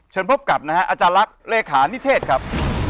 พบกับนะฮะอาจารย์ลักษณ์เลขานิเทศครับ